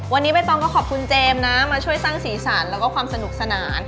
วันนี้ใบตองก็ขอบคุณเจมส์นะมาช่วยสร้างสีสันแล้วก็ความสนุกสนาน